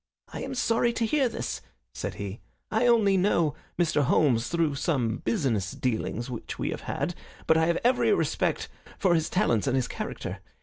"I am sorry to hear this," said he. "I only know Mr. Holmes through some business dealings which we have had, but I have every respect for his talents and his character.